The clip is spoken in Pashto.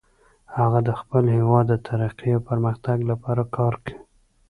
هغه د خپل هیواد د ترقۍ او پرمختګ لپاره کار کوي